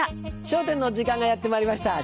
『笑点』の時間がやってまいりました。